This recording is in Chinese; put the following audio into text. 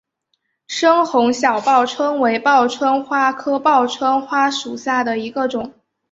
深红小报春为报春花科报春花属下的一个种。